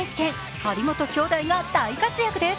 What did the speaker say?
張本兄妹が大活躍です。